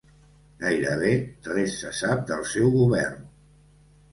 Gairebé res se sap del seu govern.